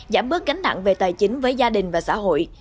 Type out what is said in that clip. giảm bớt gánh nặng về tài chính với gia đình và xã hội